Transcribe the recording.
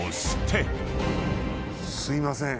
すいません。